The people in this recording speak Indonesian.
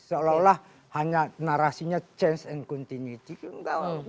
seolah olah hanya narasinya berubah dan berterusan